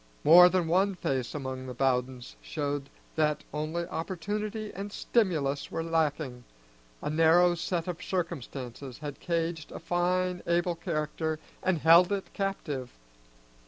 More than one face among the Bowdens showed that only opportunity and stimulus were lacking, a narrow set of circumstances had caged a fine able character and held it captive.